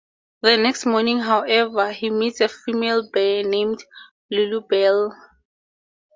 The next morning however, he meets a female bear named Lulubelle.